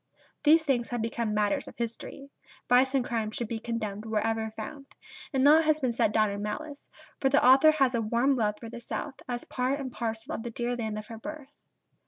These things have become matters of history: vice and crime should be condemned wherever found; and naught has been set down in malice; for the author has a warm love for the South as part and parcel of the dear land of her birth.